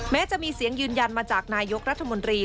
แม้จะมีเสียงยืนยันมาจากนายกรัฐมนตรี